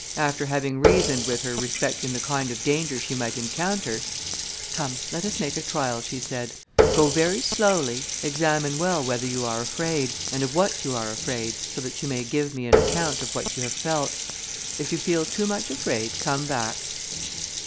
After having reasoned with her respecting the kind of danger she might encounter, "Come, let us make a trial," she said, "go very slowly, examine well whether you are afraid, and of what you are afraid, so that you may give me an account of what you have felt; if you feel too much afraid, come back."